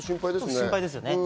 心配ですね。